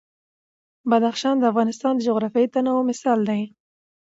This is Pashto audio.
بدخشان د افغانستان د جغرافیوي تنوع مثال دی.